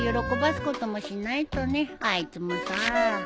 あいつもさあ。